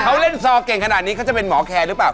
เขาเล่นซอเก่งขนาดนี้เขาจะเป็นหมอแคร์หรือเปล่า